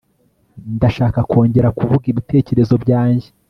ndashaka kongera kuvuga ibitekerezo byanjye